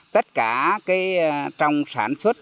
tất cả trong sản xuất